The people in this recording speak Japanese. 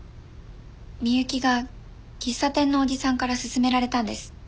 美雪が喫茶店のおじさんから薦められたんです。